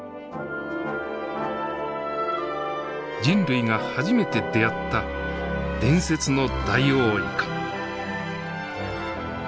人類が初めて出会った伝説のダイオウイカ。